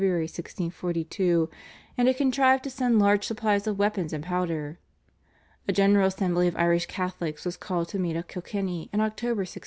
1642) and had contrived to send large supplies of weapons and powder. A general assembly of Irish Catholics was called to meet at Kilkenny in October 1642.